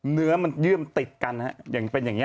เนื้อมันเยื่อมติดกันนะฮะอย่างเป็นอย่างนี้